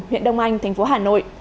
huyện đông anh thành phố hà nội